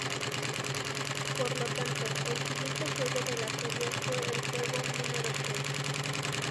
Por lo tanto, el siguiente juego de la serie fue el juego número seis.